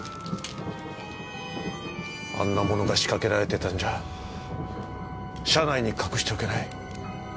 あんな物が仕掛けられてたんじゃ車内に隠しておけない。